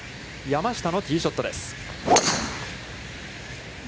山下のティーショットです。